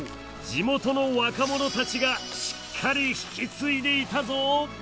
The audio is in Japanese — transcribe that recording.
地元の若者たちがしっかり引き継いでいたぞ！